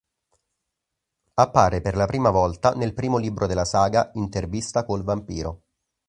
Appare per la prima volta nel primo libro della saga, "Intervista col vampiro".